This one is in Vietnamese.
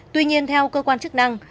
tuy nhiên theo cơ quan chức năng